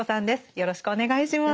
よろしくお願いします。